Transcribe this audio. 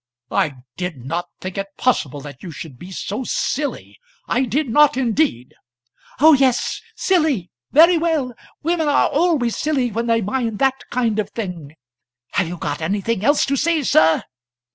"I did not think it possible that you should be so silly. I did not indeed." "Oh, yes, silly! very well. Women always are silly when they mind that kind of thing. Have you got anything else to say, sir?"